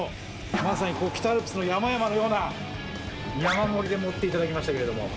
まさに北アルプスの山々のような、山盛りで盛っていただきましたけれども。